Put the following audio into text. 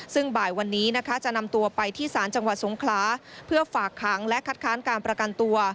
ซึ่งบ่ายวันนี้นะคะจะนำตัวไปที่ศาลจังหวัดสงคลาเพื่อฝากขังและคัดค้านการประกันตัว